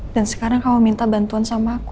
dan sekarang kamu minta bantuan sama aku